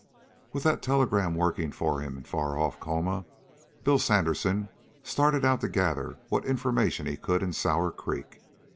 With that telegram working for him in far off Colma, Bill Sandersen started out to gather what information he could in Sour Creek.